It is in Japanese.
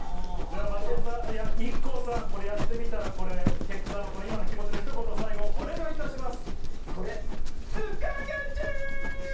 ＩＫＫＯさん、やってみた今の気持ち、ひと言お願いいたします。